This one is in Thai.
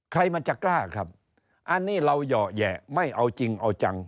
ใครมันจะกล้าครับอันนี้เราเหยาะแหยะไม่เอาจริงเอาจัง